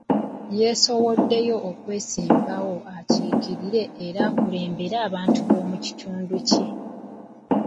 Yeesowoddeyo okwesimbawo akiikirire era akulembere abantu b'omukitundu kye.